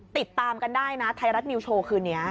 ติดตามกันได้นะไทยรัฐนิวโชว์คืนนี้